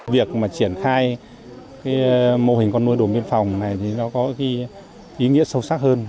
việc mà triển khai mô hình con nuôi đồn biên phòng này thì nó có ý nghĩa sâu sắc hơn